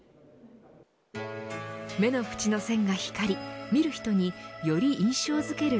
目の縁の線が光り見る人により印象づける